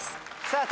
さあ